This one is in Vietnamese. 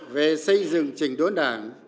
về xây dựng trình đốn đảng